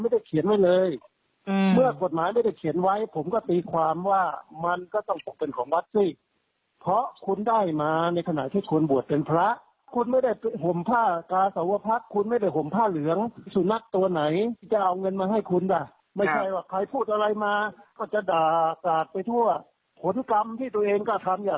เดี๋ยวลองฟังเสียงดูหน่อยค่ะ